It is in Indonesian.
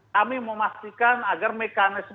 kami memastikan agar mekanisme